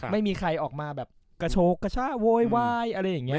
ไม่มีใครออกมาแบบกระโชกกระชะโวยวายอะไรอย่างนี้